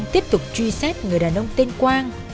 tiếp tục truy xét người đàn ông tên quang